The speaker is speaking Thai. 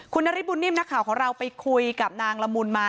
คุณนฤทธบุญนิ่มนักข่าวของเราไปคุยกับนางละมุนมา